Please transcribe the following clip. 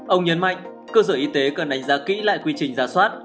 ông nhấn mạnh cơ sở y tế cần đánh giá kỹ lại quy trình giả soát